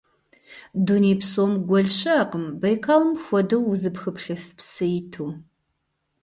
Дуней псом гуэл щыӀэкъым Байкалым хуэдэу узыпхыплъыф псы иту.